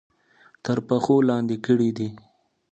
تر پښو لاندې کړي دي.